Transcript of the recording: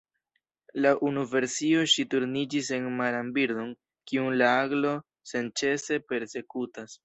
Laŭ unu versio ŝi turniĝis en maran birdon, kiun la aglo senĉese persekutas.